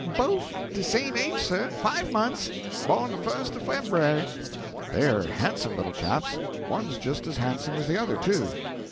"Bofe de same age, sir five months. Bawn de fust o' Feb'uary." "They're handsome little chaps. One's just as handsome as the other, too."